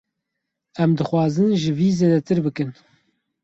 Em dixwazin ji vî zêdetir bikin.